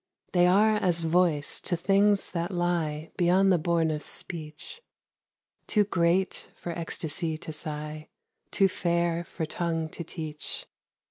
They are as voice to things that lie Beyond the bourne of speech Too great for ecstasy to sigh, Too fair for tongue to teach.